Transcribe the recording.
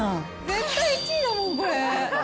絶対１位だもん、これ。